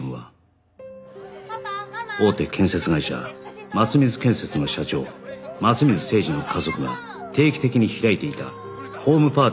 大手建設会社松水建設の社長松水誠二の家族が定期的に開いていたホームパーティーの最中に起き